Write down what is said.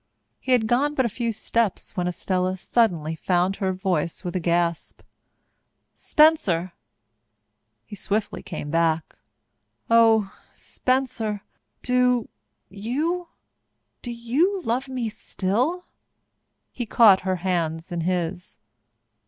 He had gone but a few steps when Estella suddenly found her voice with a gasp. "Spencer!" He came swiftly back. "Oh, Spencer do you do you love me still?" He caught her hands in his.